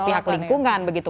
pihak lingkungan begitu